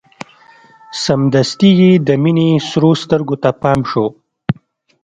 سمدستي يې د مينې سرو سترګو ته پام شو.